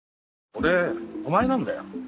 俺お前なんだよ。